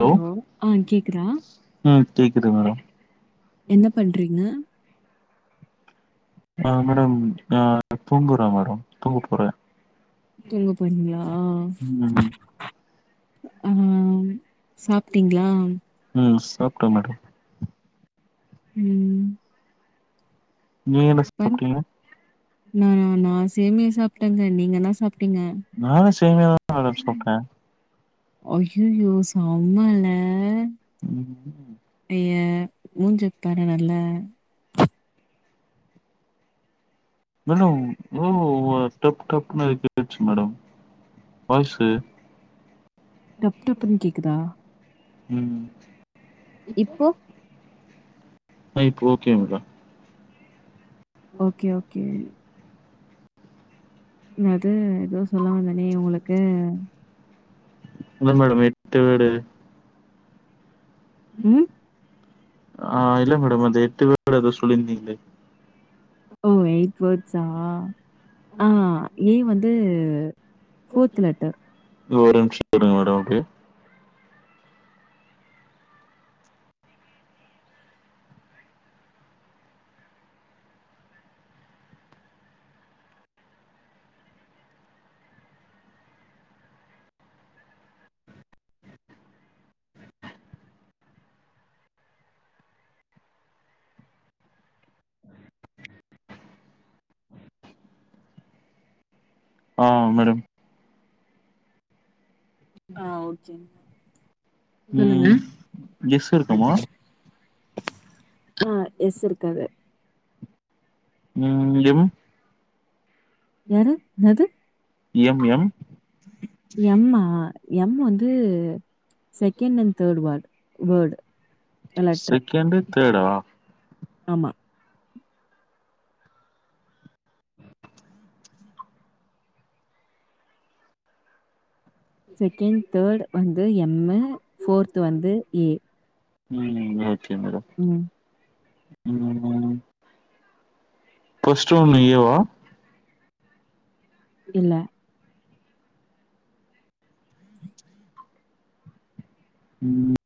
Hello ஆ கேக்குதா ம் கேக்குது மேடம் என்ன பண்றீங்க ஆ மேடம் நா தூங்குறே மேடம் தூங்க போறே தூங்க போறிங்ளா ம் ம் சாப்ட்டீங்ளா ம் சாப்டோ மேடம் ம் நீங்க என்ன பரவா சாப்டிங்க நா நா சேமியா சாப்ட்டேங்க நீங்க என்ன சாப்ட்டீங்க நானு சேமியாத மேடம் சாப்ட்டே அய்யய்யோ செம்மல்ல ம் ஐயே மூஞ்சப்பாரு நல்ல மேடம் [unintelligible] டப் டப்னு கேட்ச்சு மேடம் வாய்ஸ டப் டப்ன்னு கேக்குதா? ம் இப்போ ஆ இப்போ ஓகேங்க்கா ஓகே ஓகே என்னது எதோ சொல்ல வந்தனே உங்களுக்கு இல்ல மேடம் எட்டு வேர்ட்டு ம் ஆ இல்ல மேடம் அந்த எட்டு வேர்ட் எதோ சொல்லியிருந்தீங்களே ஓ எயிட் வேர்ட்ஸ்சா ம் ஏ வந்து ஃபோர்த் லெட்டர் [unintelligible] ஒரு நிம்ஷோ இருங்க மேடம் ஓகே ஆ்மா மேடம் ஆ ஓகேங்க சொல்லுங்க ம் எஸ் இருக்குமா ஆ எஸ் இருக்காது ம் எம் யாரு என்னது எம் எம் எம்மா எம் வந்து second and third word word letter second தேடா ஆமா செகண்ட் தேர்ட் வந்து எம்மு ஃபோர்த் வந்து ஏ ம் ஓகே மேடோ ம் ம் ம் ஃபஸ்ட்டு ஒன் ஏ வா இல்ல ம்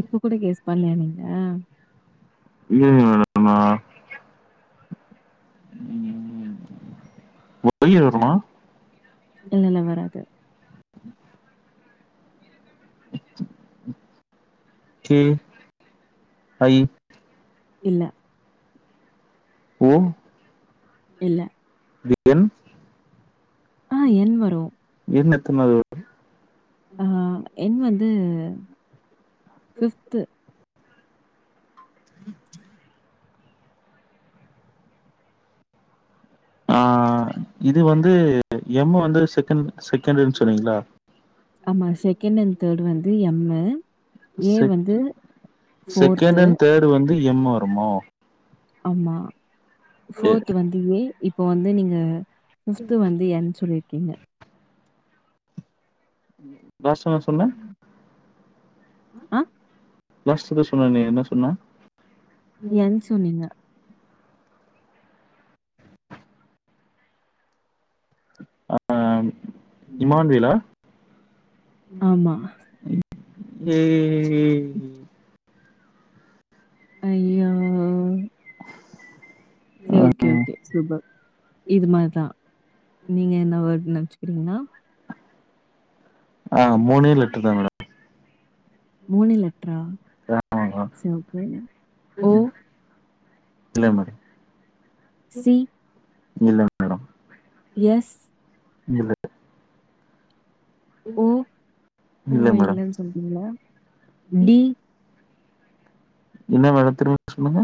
இப்ப கூட கெஸ் பண்ணலயா நீங்க இல்லைங்க மேடம் நா ஒய்யி வருமா இல்லல வராது கே ஐ இல்ல ஓ இல்ல இங்க என் ஆ என் வரும். என் எத்தனாது வருது அ என் வந்து ஃபிஃப்த்து ஆ இது வந்து எம் வந்து செகண்ட் செகண்ட்டு இது சொன்னீங்களா ஆமா செகண்ட் அண் தேர்டு வந்து எம்மு ஏ வந்து செக்கி ஃபோர்த் செகண்ட் அண்ட் தேர்டு வந்து எம் வருமோ ஆமா ஃபோர்த் வந்து ஏ, இப்போ வந்து நீங்க ஃபிஃப்து வந்து என் சொல்லிருக்கீங்க வ சொன்ன சொன்ன அ லாஸ்ட்டு எதோ சொன்னேனே என்ன சொன்ன என் சொன்னீங்க ஆஹ் இமான்வேலா ஆமா. இ ஏ [inaudible] அய்யோ [inaudible] செரி ஓகே ஓகே சூப்பர் இது மாரிதா நீங்க என்ன வேர்டு நெனச்சுக்கிறீங்களா ஆ மூணே எழுத்து தா மேடம் மூணு லெட்டரா ஆ சரி ஓகே. ஓ, இல்லைங்க சி, மேடோ இல்ல எஸ் இல்ல ஓ, ஓ மேடம் இல்லன்னு சொல்டீங்கள டி என்ன வேர்டு திரும்ப சொல்லுங்க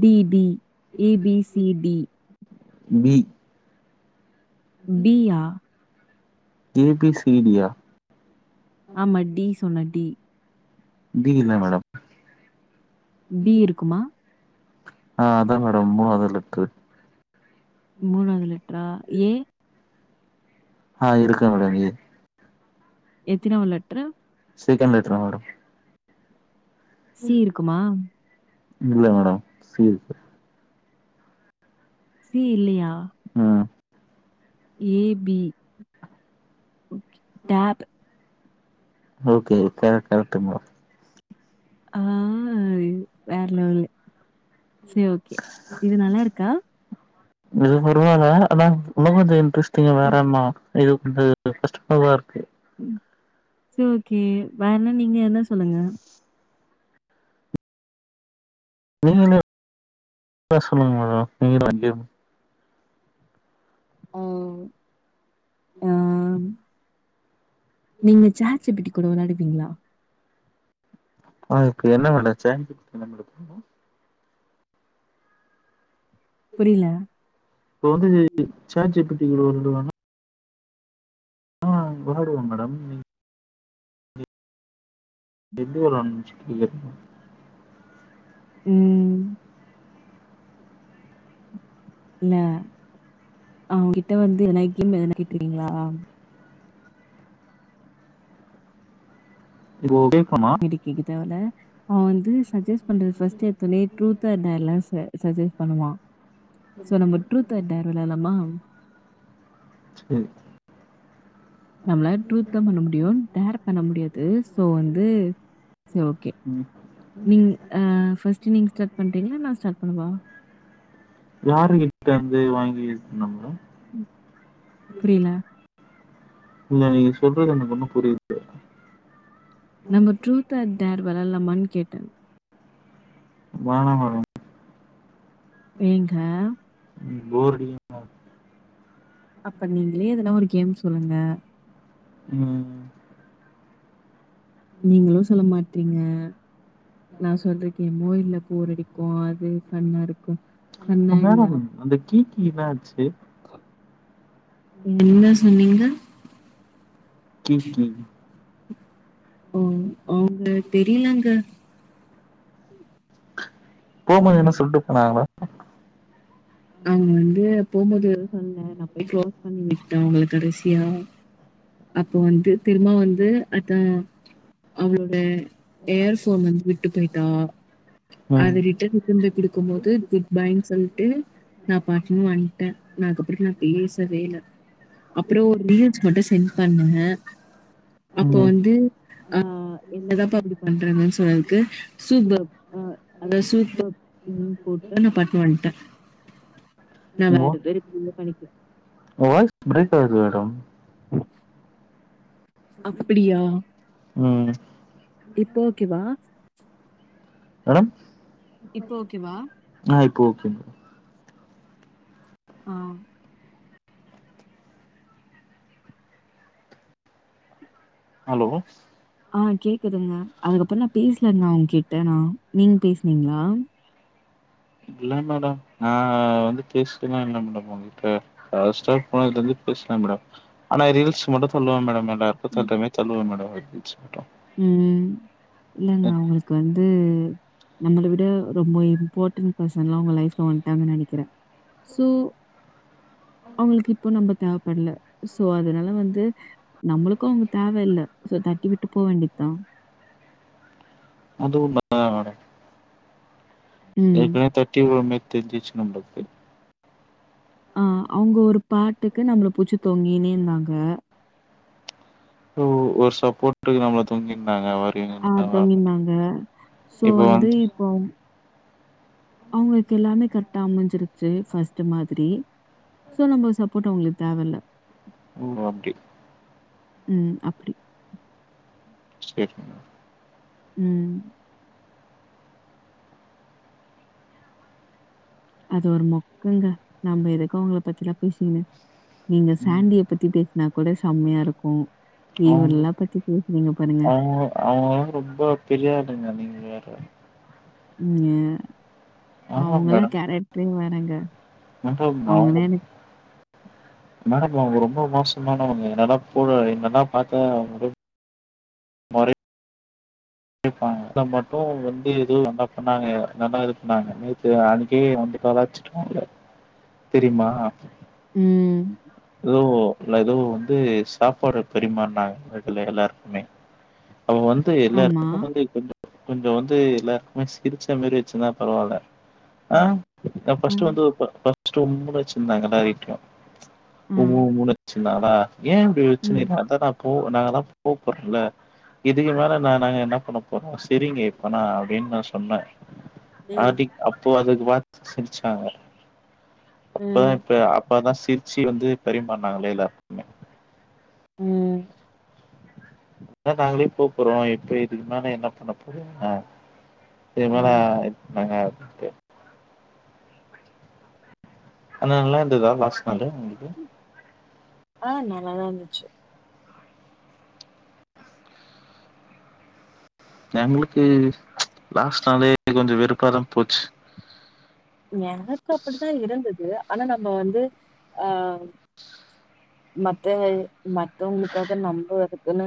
D D A B C D B B யா ஏ பி சி டியா ஆமா டி சொன்ன டி டி இல்ல மேடம் பி இருக்குமா ஆ அதா மேடம் மூணாவ்து லெட்ரு மூணாவ்து லெட்ரா ஏ ஆ இருக்கு மேடம் ஏ எத்தினாவ் letter second letter madam C இருக்குமா இல்ல மேடம் சி இருக்கு சி இல்லையா ம் A B okay top okay madam correct கரெக்டுங்க மேட ஆய் வேற லெவல்லு செரி ஓகே இது நல்லா இருக்கா இது பரவால்ல அதா உலகத்து இன்ட்ரெஸ்டிங் ம், வேறென்னா இது கொஞ்ச கஷ்டமதா இருக்கு ம் செரி ஓகே வேறனா நீங்க என்ன சொல்லுங்க நீங்களே எதா சொல்லுங்க மேடம் நீங்கதா கேமு ஓ ஆம் நீங்க சாட் ஜி பி டி கூட வெளாடுவீங்ளா ஆ இப்ப என்ன மேட சாட் ஜி பி டி என்ன மேடம் பண்ணு புரியல இப்ப வந்து சாட் ஜீ பி டி கூட விடுவாங்க ஆ விளாடுவோ மேடம் நீங் எந்த ஊரு அனுப்பிச்சிருக்கிய ம் இல்ல அவங்கிட்ட வந்து எதனா கேம் எதனா கேட்ருக்கீங்ளா இது ஓ டி கமா இது கேக்குத்தாவுள அவ வந்து சஜஸ் பண்றது ஃபஸ்ட் எடுத்தோனே ட்ரூத் ஆர் டேர்லா ச சஜெஸ்ட் பண்ணுவா சோ நம்ம ட்ரூத் ஆர் டேர் வெளாட்லாமா ம் நம்மள ட்ரூத்தா பண்ண முடியு டேர் பண்ண முடியாது சோ வந்து சோ ஓகே ம். நீங் ஆ ஃபஸ்ட்டு நீங்க ஸ்டார்ட் பண்றிங்ளா நா ஸ்டார்ட் பண்ணவா வார்னிட்டருந்து வாங்கி யூஸ் பண்ண மேடம் புரியல. இல்ல நீங்க சொல்றது எனக்கு ஒன்னு புரியல நம்ம ட்ரூத் ஆர் டேர் வெளாட்லாமான் கேட்டே வேணா வேணா ஏங்க ம் போர் அடிக்கு அப்ப நீங்களே எதனா ஒரு கேம் சொல்லுங்க ம் நீங்களு சொல்ல மாட்றீங்க நா சொல்ற கேமயு இல்ல போர் அடிக்கு அது ஃபன்னா இருக்கு ஆ மேடம் அந்த கிளிக்கு என்னாச்சு என்ன சொன்னீங்க கிளி கிளி ம் அவுங்க தெரியலங்க போம்போது எதனா சொல்ட்டுப் போனாங்ளா அவுங்க வந்து போம்போது எதோ சொன்னே நாப் போய் க்ளோஸ் பண்ணி விட்டே அவுங்களக் கடைசியா அப்போ வந்து திருமா வந்து அதா அவளோட ஏர் ஃபோன் வந்து விட்டு போயிட்டா ம். அது ரிட்டன் கொண் போய் குடுக்கும்போது குட் பாய்ன் சொல்ட்டு நாப் பாட்னு வன்ட்டே நா அதுக்கப்ற நாப் பேசவேல அப்றோ ஒரு ரீல்ஸ் மட்டு சென்ட் பண்ணே அப்போ ம். வந்து ஆ என்னதாப்ப அப்டி பண்றாங்கன் சொன்னதுக்கு சூப்பப் அ அந்த சூப்பப் ம் போட்டு நா பாட்னு வன்ட்டே நா வேற பேரு [unintelligible] பண்ணிக்ல உங்க வாய்ஸ் பிரேக் ஆவுது மேடம் அப்பிடியா ம் இப்ப ஓகேவா மேடம் இப்ப ஓகேவா ஆ இப்ப ஓகேங்க ஆம் அலோ ஆ கேக்குதுங்க அதுக்கப்பற நாப் பேச்லங்க அவுங்கிட்ட நா நீங் பேச்னீங்ளா இல்ல மேடம் நா வந்து பேச்ட்டுமேன் இந்த மேடம் ஒங்ககிட்ட லாஸ்ட்டா புவனாகிட்டருந்து பேச்னே மேடம் ஆனா ரீல்ஸ் மட்டு சொல்லுவா மேடம் என் நா எப்பத் ம். தள்ட்டமே தள்ளுவ மேடம் ரீல்ஸ் மட்டு ம் இல்லங்க அவுங்குளுக்கு வந்து நம்மள விட ரொம்ப இம்பார்டன்ட் பர்சன்லா அவுங்க லைஃப்ல வன்ட்டாங்கன் நெனைக்கிறே சோ அவுங்குளுக்கு இப்போ நம்ப தேவப்பட்ல சோ அதனால வந்து நம்மளுக்கு அவுங்கத் தேவ இல்ல சோ தட்டி விட்டு போ வேண்டித்தா அதுவுமே வரே ம். ஏற்கனவே தட்டி வுர்ற மேரி தெர்ஞ்சிச்சு நம்ளுக்கு ஆ அவுங்க ஒரு பாட்டுக்கு நம்ள புச்சி தொங்கினே இந்தாங்கே ஓ ஒரு சப்போட்டுக்கு நம்ள தொங்கிந்தாங்க வர் ஆ தொங்கிந்தாங்க சோ வந்து இப்போம் அவுங்குளுக்கு எல்லாமே கர்ட்டா அமைஞ்சிருச்சு ஃபஸ்ட்டு மாதிரி சோ நம்ம சப்போர்ட்டு அவுங்குளுக்கு தேவல்ல ஓ அப்டி ம் அப்டி சேரிங்க ம் அது ஒரு மொக்கங்க நம்ப எதுக்க அவுங்களப் பத்திலா பேசிகினு நீங்க ம் சேண்டியப் பத்தி பேச்னா கூட செம்மையாருக்கு அவுங்கப் அவுங்க அவுங்க வந்து ரொம்ப பெரியாளுங்க நீங்க வேற ம் எ ஆமா அவுங்களா மேடம் கேரட்ரே வேறெங்க மேடம் அவுங்கனா எனக் மேடக்லவ் அவுங்க ரொம்ப மோசமானவங்க எனனாப் [unintelligible] வைப்பாங்க அத மட்டு வந்து எதோ நல்லாப் பண்ணாங்க நல்லா இதுப் பண்ணாங்க நேத்து அன்னைகி வந்து கலாச்சி டோல தெரிமா ம் ஏதோ இ ஏதோ வந்து சாப்பாட பாரிமறனாங்க இல எல்லாருக்குமே அவ வந்து ஆமா. எல்லாருக்கு வந்து கொஞ்சோ கொஞ்சோ வந்து எல்லாருக்குமே சிரிச்சா மாரி வச்சுதா பரவால்ல ஆ ம். நா ஆ. பஸ்ட் வந்து இப்ப இப்ப பஸ்ட் உம்முன்னு வச்சிருந்தாங்கள வீட்ல உம்மு ம். உம்முன்னு வெச்சிருந்தாங்களா ஏ இப்டி ம். வெச்சினிருக்க அதா நா போ நாங்கதா போ போறல இதுக்கு மேல நா நாங்க என்ன பண்ண போறோ சிரிங்க இப்பன்னா அப்டின்னு நா சொன்னே ம். ஆர்ட்டிக் அப்போ அதுக்கு பாத் சிரிச்சாங்க அப்பதா இப்ப அப்பாதா சிரிச்சி வந்து பரிமாறனாங்க எலையில எல்லாருக்குமே ம் அத நாங்களே போ போறோ இப்ப இதுக்கு மேல என்ன பண்ண போறீங்க இதுக்குமேல ம். [unintelligible] அப்டின்னுட்டு ஆன நல்லா இருந்ததா லாஸ்ட் நாளு உங்களுக்கு ஆ நல்லாதா இருந்துச்சு எங்ளுக்கு லாஸ்ட் நாளே கொஞ்சோ வெறுப்பாதா போச்சு எனக்கு அப்டித்தா இருந்தது ஆனா நம்ப வந்து ஆ மத்த மத்தவங்களுக்காக நம்ப அதுக்குன்னு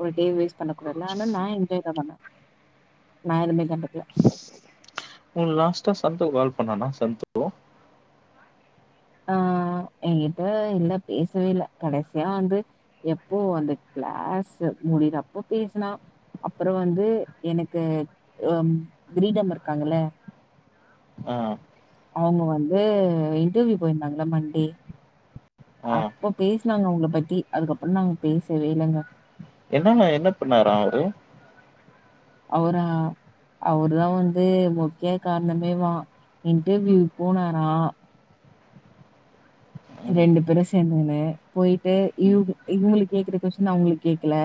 ஒரு டே வேஸ்ட் பண்ண கூடாதுல்ல ஆனா நா என்ஜாய் தா பண்ண நா எதுமே கண்டுக்கல உனக்கு லாஸ்டா சந்து கால் பண்ணனா சந்து ஆ என்கிட்ட இல்ல பேசவே இல்ல கடைசியா வந்து எப்போ அந்த கிளாஸ் முடியறப்போ பேசனா அப்றோ வந்து எனக்கு அ ம் கிரீடம் இருக்காங்கல்ல ஆ அவங்க வந்து இன்டர்வியூ போயிருந்தாங்களா மண்டே ஆ அப்ப பேசினாங்க உங்க பத்தி அதுக்கப்பற நாங்க பேசவேல்லங்க என்னங்க என்ன பண்ணாரா அவரு அவ்ரா அவரு தா வந்து முக்கிய காரணமேவா இன்டர்வியூ போனாரா ம். ரெண்டு பேரு சேந்துகினு போயிட்டு இவ் ம். இவங்களுக்கு கேக்குற கொஸ்டின் அவங்களுக்கு கேக்கல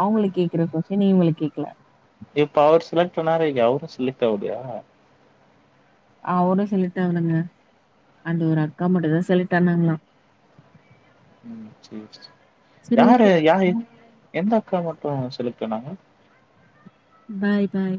அவங்களுக்கு கேக்குற கொஸ்டின் இவங்களுக்கு கேக்கல இப்ப அவரு செலக்டானாரா இல்லயா அவரு செலக்ட் ஆவலயா அவரு செலக்ட் ஆகலங்க அந்த ஒரு அக்கா மட்டும் தா செலக்ட் ஆனாங்களாம் ம் செரிசெரி சரி யாரு ஓகே யா எந்த அக்கா மட்டு செலக்டானாங்க பாய் பாய்